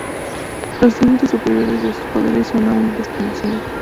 Los límites superiores de sus poderes son aún desconocidos.